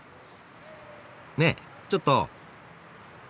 ねえちょっと！